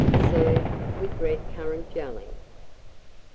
Serve with red currant jelly.